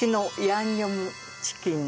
ヤンニョムチキン？